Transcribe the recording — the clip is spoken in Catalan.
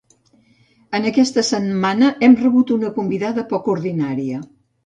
En aquesta setmana hem rebut una convidada poc ordinària.